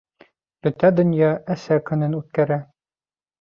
Бөтә донья Әсә көнөн үткәрә